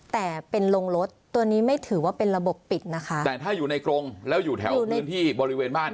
แต่เป็นโรงรถตัวนี้ไม่ถือว่าเป็นระบบปิดนะคะแต่ถ้าอยู่ในกรงแล้วอยู่แถวพื้นที่บริเวณบ้าน